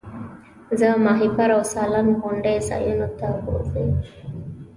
زه ماهیپر او سالنګ غوندې ځایونو ته بوځئ.